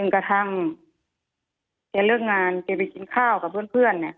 กระทั่งแกเลิกงานแกไปกินข้าวกับเพื่อน